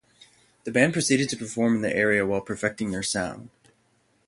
The band proceeded to perform in the area while perfecting their sound.